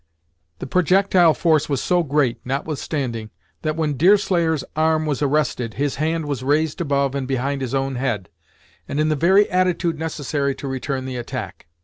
The projectile force was so great, notwithstanding, that when Deerslayer's arm was arrested, his hand was raised above and behind his own head, and in the very attitude necessary to return the attack.